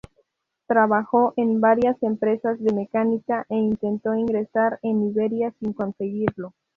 Trabajó en varias empresas de mecánica e intentó ingresar en Iberia sin conseguirlo.